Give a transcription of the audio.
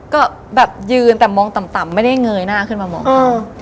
ก็แบบยืนแต่มองต่ำไม่ได้เงยหน้าขึ้นมามอง